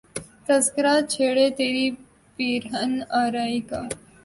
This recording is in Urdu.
تذکرہ چھیڑے تری پیرہن آرائی کا